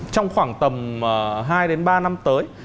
trong khoảng tầm hai đến ba năm tới